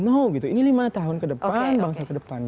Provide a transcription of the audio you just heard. no gitu ini lima tahun ke depan bangsa ke depan